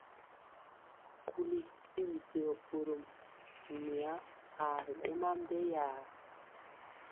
Kuli i biɗeyɔ ɓorom, mya aa ri ɗema mbeyaa.